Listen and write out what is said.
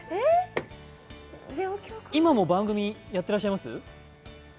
今も番組やってらっしゃいます？